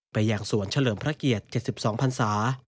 ไปยังสวนเฉลิมพระเกียรติ๗๒พันศา